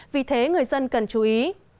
vì thế người dân cần chú ý